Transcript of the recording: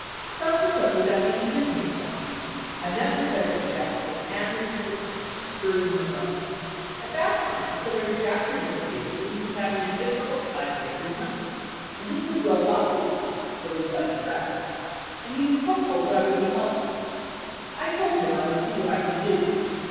Subsequently, that meeting did take place. I met with Senator Jackson and his assistant, Sterling Munro. At that time, Senator Jackson indicated that he was having a difficult time raising money, and this w T as well documented, at least by the press, and he was hopeful that I would be help ful. I told him I would see what I could do.